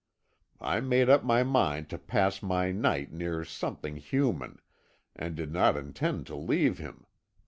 I made up my mind to pass my night near something human, and did not intend to leave him.